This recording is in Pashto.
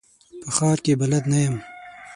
په ښار کي بلد نه یم .